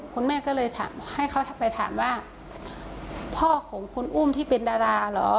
คุณแม่ก็เลยถามให้เขาไปถามว่าพ่อของคุณอุ้มที่เป็นดาราเหรอ